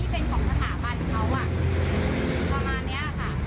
ประมาณนี้ค่ะ